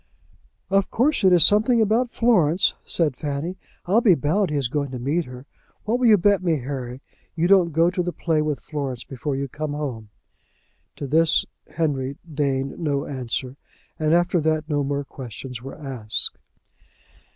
"Of course it is something about Florence," said Fanny. "I'll be bound he is going to meet her. What will you bet me, Harry, you don't go to the play with Florence before you come home?" To this Henry deigned no answer; and after that no more questions were asked.